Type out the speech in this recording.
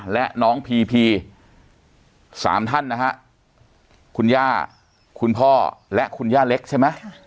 และน้องพีพี๓ท่านนะฮะคุณย่าคุณพ่อและคุณย่าเล็กใช่ไหม